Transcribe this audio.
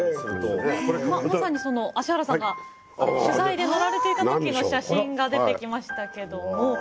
まさにその芦原さんが取材で乗られていた時の写真が出てきましたけども。